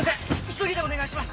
急ぎでお願いします。